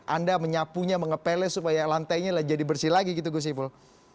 anda menyapunya mengepele supaya lantainya jadi bersih lagi gitu gus ipul